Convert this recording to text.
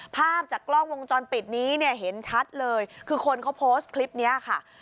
ภาพจากกล้องวงจรปิดนี้เนี่ยเห็นชัดเลยคือคนเขาโพสต์คลิปนี้ค่ะ